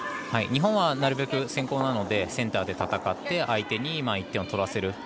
日本はなるべく先攻なのでセンターで戦って相手に１点を取らせる。